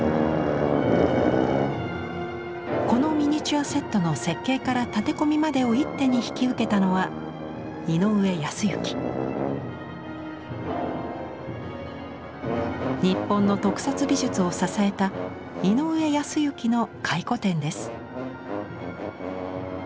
このミニチュアセットの設計から建て込みまでを一手に引き受けたのは日本の特撮美術を支えた井上泰幸の回顧展です。